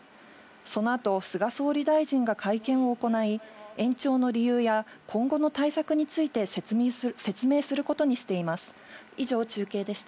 そのあと、菅総理大臣が会見を行い、延長の理由や、今後の対策について説明することにしています。